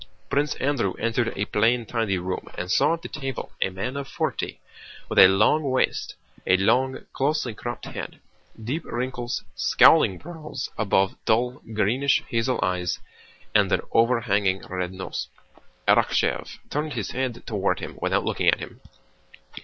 Prince Andrew entered a plain tidy room and saw at the table a man of forty with a long waist, a long closely cropped head, deep wrinkles, scowling brows above dull greenish hazel eyes and an overhanging red nose. Arakchéev turned his head toward him without looking at him.